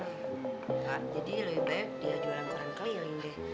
kan jadi lebih baik dia jualan koran keliling deh